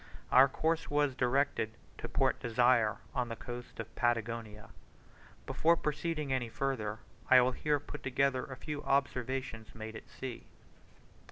Our course was directed to Port Desire, on the coast of Patagonia. Before proceeding any further, I will here put together a few observations made at sea.